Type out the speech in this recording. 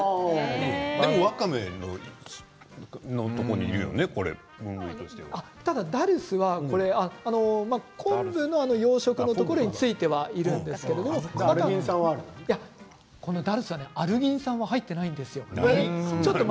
でもわかめのダルスは昆布の養殖のところに付いているんですけどこのダルスはアルギン酸は入っていないんですよ。